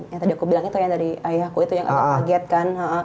yang tadi aku bilang itu yang dari ayahku itu yang agak kaget kan